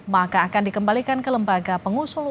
maka akan dikembalikan ke lembaga pengusul